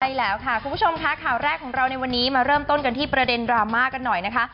ใช่แล้วค่ะคุณผู้ชมค่ะข่าวแรกของเราในวันนี้มาเริ่มต้นกันที่ประเด็นดราม่ากันหน่อยนะคะ